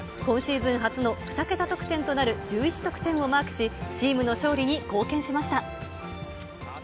今シーズン初の２桁得点となる、１１得点をマークし、チームの勝利に貢献しました。